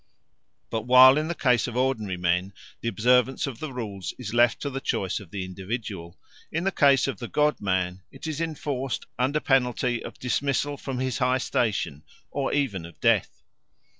But while in the case of ordinary men the observance of the rules is left to the choice of the individual, in the case of the god man it is enforced under penalty of dismissal from his high station, or even of death.